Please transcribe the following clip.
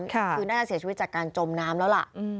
คือน่าจะเสียชีวิตจากการจมน้ำแล้วล่ะ